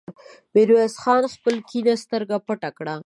ميرويس خان خپله کيڼه سترګه پټه کړه.